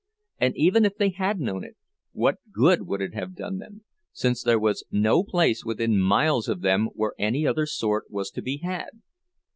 And even if they had known it, what good would it have done them, since there was no place within miles of them where any other sort was to be had?